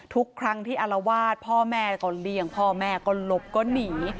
ทุกครั้งที่อารวาสพ่อแม่ก็เลี่ยงพ่อแม่ก็หลบก็หนี